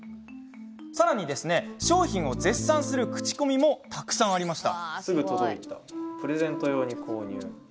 さらに、商品を絶賛する口コミもたくさんありました。